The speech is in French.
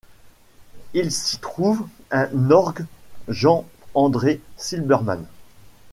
Il s'y trouve un orgue Jean-André Silberman.